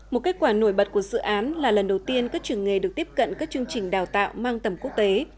một kết quả nổi bật của dự án là lần đầu tiên các trường nghề được tiếp cận các chương trình đào tạo mang tầm quốc tế